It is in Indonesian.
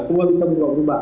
semua bisa berubah ubah